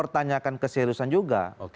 orang yang terdepan membelas stiano fanto